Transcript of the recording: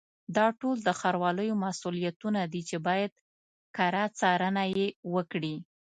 دا ټول د ښاروالیو مسؤلیتونه دي چې باید کره څارنه یې وکړي.